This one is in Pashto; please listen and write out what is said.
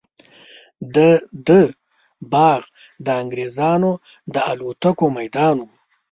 د ده باغ د انګریزانو د الوتکو میدان وو.